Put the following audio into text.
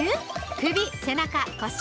首・背中・腰。